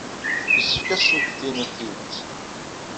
Yessefk ad asent-tinid tidet.